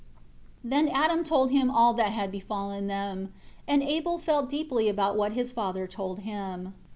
5 Then Adam told him all that had befallen them. And Abel felt deeply about what his father told him.